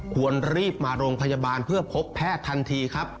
ควรรีบมาโรงพยาบาลเพื่อพบแพทย์ทันทีครับ